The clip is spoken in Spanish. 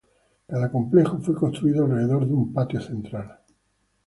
Cada complejo fue construido alrededor de un patio central.